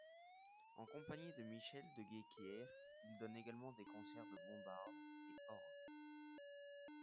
En compagnie de Michel Guesquière, il donne également des concerts de bombarde et orgue.